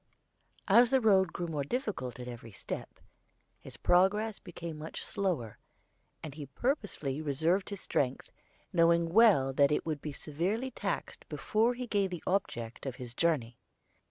As the road grew more difficult at every step, his progress became much slower, and he purposely reserved his strength, knowing well that it would be severely taxed before he gained the object of his journey.